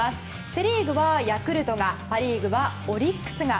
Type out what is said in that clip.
セ・リーグはヤクルトがパ・リーグはオリックスが。